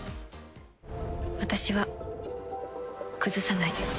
私は崩さない。